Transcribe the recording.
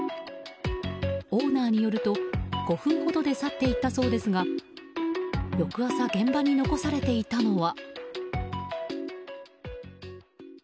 オーナーによると、５分ほどで去って行ったそうですが翌朝、現場に残されていたのは。